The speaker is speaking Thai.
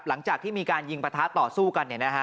หลังจากที่มีการยิงประทะต่อสู้กัน